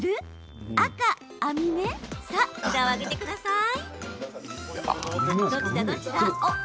さあ、札を上げてください。